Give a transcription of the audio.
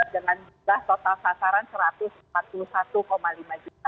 dengan jumlah total sasaran rp satu ratus empat puluh satu lima juta